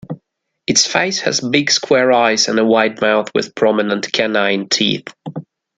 Its face has big square eyes and a wide mouth with prominent canine teeth.